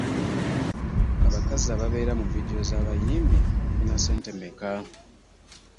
Abakazi ababeera mu vidiyo z'abayimbi bafuna ssente mmeka?